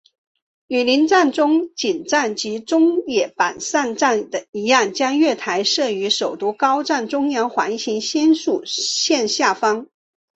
与邻站中井站及中野坂上站一样将月台设于首都高速中央环状新宿线下方。